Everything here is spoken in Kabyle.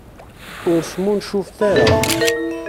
Ur smuncufet ara.